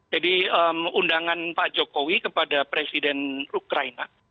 jadi undangan pak jokowi kepada presiden ukraina